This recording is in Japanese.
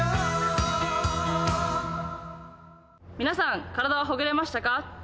皆さん、体はほぐれましたか。